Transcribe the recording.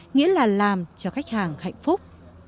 nghĩa là làm cho khách hàng hạnh phúc